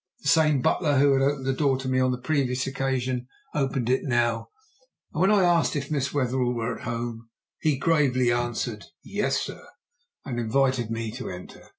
The same butler who had opened the door to me on the previous occasion opened it now, and when I asked if Miss Wetherell were at home, he gravely answered, "Yes, sir," and invited me to enter.